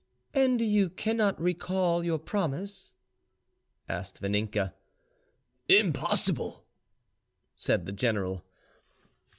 "And you cannot recall your promise?" asked Vaninka. "Impossible," said the general.